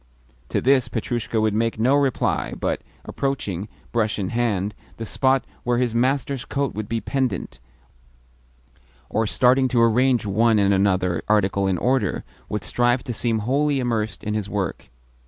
To this Petrushka would make no reply, but, approaching, brush in hand, the spot where his master's coat would be pendent, or starting to arrange one and another article in order, would strive to seem wholly immersed in his work.